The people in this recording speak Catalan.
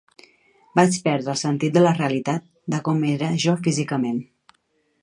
Vaig perdre el sentit de la realitat, de com era jo físicament.